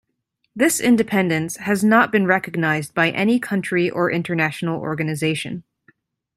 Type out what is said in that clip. This independence has not been recognized by any country or international organization.